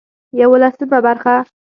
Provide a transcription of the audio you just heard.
يولسمه برخه